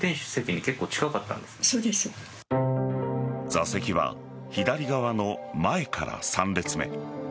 座席は左側の前から３列目。